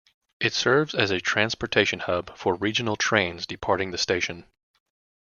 It serves as a transportation hub for regional trains departing the station.